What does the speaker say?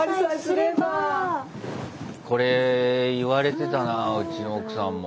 これ言われてたなぁうちの奥さんも。